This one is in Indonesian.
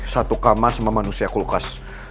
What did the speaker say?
satu kamar sama manusia kulkas